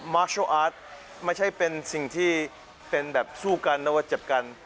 มกฏไม่ใช่เป็นสิ่งที่เป็นสู้กันและแผนจับกัน